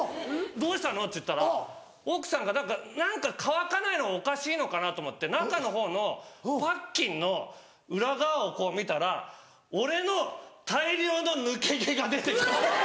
「どうしたの？」って言ったら奥さんが何か乾かないのがおかしいのかなと思って中の方のパッキンの裏側をこう見たら俺の大量の抜け毛が出てきた。